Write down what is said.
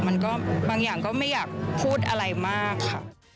มันก็บางอย่างก็ไม่อยากพูดอะไรมากค่ะ